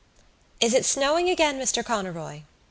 "Is it snowing again, Mr Conroy?"